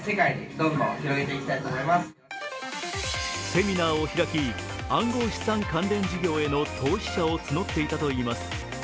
セミナーを開き、暗号資産関連事業への投資者を募っていたといいます。